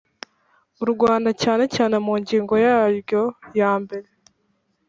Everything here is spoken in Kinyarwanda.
u Rwanda cyane cyane mu ngingo yaryo ya mbere